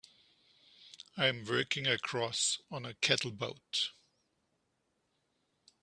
I'm working across on a cattle boat.